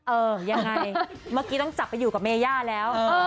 เออยังไงเมื่อกี้ต้องจับไปอยู่กับเมย่าแล้ว